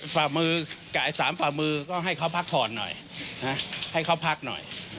ฝ่ามือกับไอ้สามฝ่ามือก็ให้เขาพักผ่อนหน่อยให้เขาพักหน่อย